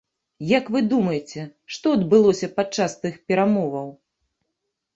Як вы думаеце, што адбылося падчас тых перамоваў?